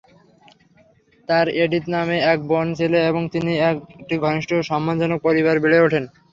তার এডিথ নামে এক বোন ছিল এবং তিনি একটি ঘনিষ্ঠ, সম্মানজনক পরিবারে বেড়ে ওঠেন।